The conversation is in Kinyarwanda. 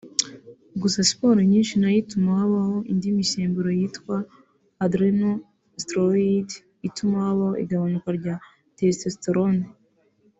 Gusa siporo nyinshi nayo ituma habaho indi misemburo yitwa ‘adrenal steroid’ ituma habaho igabanuka rya ‘testosterone’